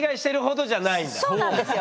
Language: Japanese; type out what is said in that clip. そうなんですよ。